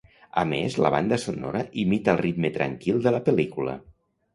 A més, la banda sonora imita el ritme tranquil de la pel·lícula.